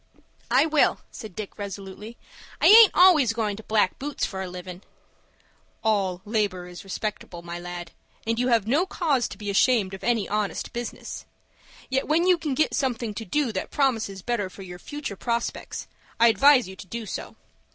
"I will," said Dick, resolutely. "I aint always goin' to black boots for a livin'." "All labor is respectable, my lad, and you have no cause to be ashamed of any honest business; yet when you can get something to do that promises better for your future prospects, I advise you to do so.